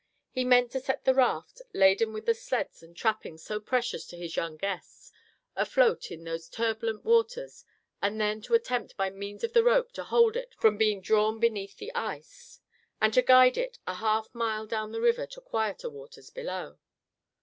He meant to set the raft, laden with the sleds and trappings so precious to his young guests, afloat in those turbulent waters and then to attempt by means of the rope to hold it from being drawn beneath the ice, and to guide it a half mile down the river to quieter waters below.